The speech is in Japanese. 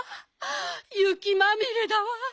ゆきまみれだわ。